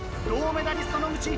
銅メダリスト野口